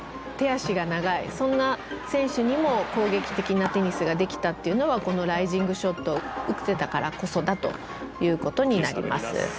そんな選手にも攻撃的なテニスができたっていうのはこのライジングショットを打ってたからこそだということになります。